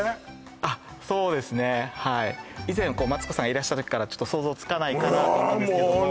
あっそうですねはい以前マツコさんがいらした時から想像つかないかなと思うんですけどもああ